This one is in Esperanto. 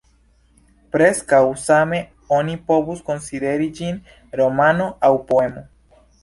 Preskaŭ same oni povus konsideri ĝin romano aŭ poemo.